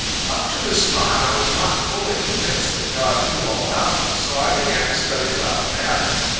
Up to this time, I was not fully convinced that God knew all about me. So I began to study about the matter.